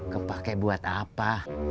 kepake buat apa